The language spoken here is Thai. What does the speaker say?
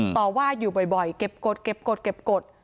ต่อว่าอยู่บ่อยเก็บกฎเก็บกฎเก็บกฎ